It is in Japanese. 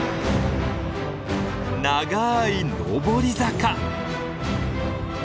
長い上り坂。